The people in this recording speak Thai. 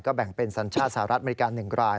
แบ่งเป็นสัญชาติสหรัฐอเมริกา๑ราย